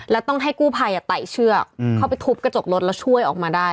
แล้วต้องให้กู้ภัยไต่เชือกเข้าไปทุบกระจกรถแล้วช่วยออกมาได้